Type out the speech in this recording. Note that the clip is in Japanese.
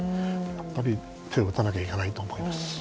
やっぱり手を打たなきゃいけないと思います。